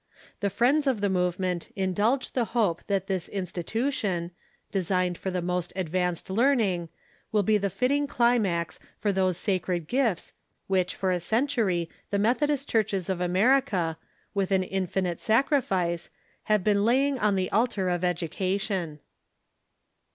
The friends of the movement indulge the hope tliat this insti tution, designed for the most advanced learning, will be the fit ting climax to those sacred gifts which for a century the Meth odist churches of America, with an infinite sacrifice, have been laying on the altar of education.